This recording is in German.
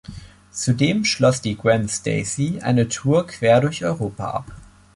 Zudem schloss die Gwen Stacy eine Tour quer durch Europa ab.